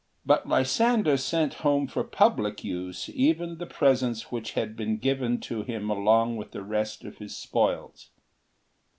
But Lysander sent home for public use even the presents which had been given to him along with the rest of his spoils.